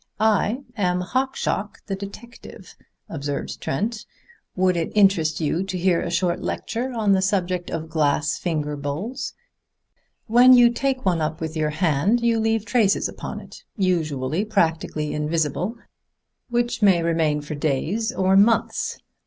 "I am Hawkshaw the detective," observed Trent. "Would it interest you to hear a short lecture on the subject of glass finger bowls? When you take one up with your hand you leave traces upon it, usually practically invisible, which may remain for days or months.